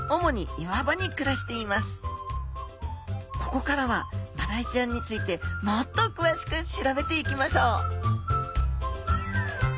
ここからはマダイちゃんについてもっとくわしく調べていきましょう！